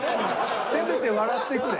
せめて笑ってくれ。